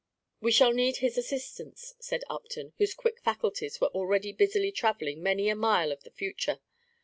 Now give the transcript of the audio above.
"We shall need his assistance," said Upton, whose quick faculties were already busily travelling many a mile of the future.